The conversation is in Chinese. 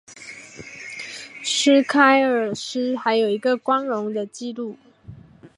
斯凯尔斯还有一个光荣的记录。